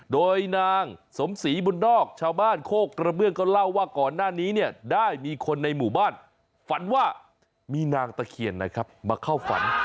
โดยนางสมศรีบุญนอกชาวบ้านโคกกระเบื้องก็เล่าว่าก่อนหน้านี้เนี่ยได้มีคนในหมู่บ้านฝันว่ามีนางตะเคียนนะครับมาเข้าฝัน